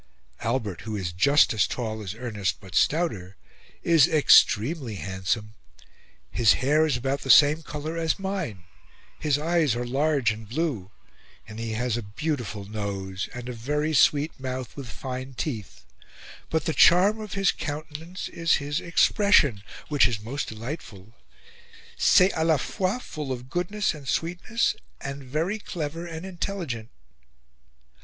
Albert, who is just as tall as Ernest but stouter, is extremely handsome; his hair is about the same colour as mine; his eyes are large and blue, and he has a beautiful nose and a very sweet mouth with fine teeth; but the charm of his countenance is his expression, which is most delightful; c'est a la fois full of goodness and sweetness, and very clever and intelligent."